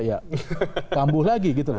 ya kambuh lagi